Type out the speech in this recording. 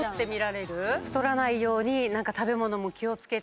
太らないように食べ物も気を付けて。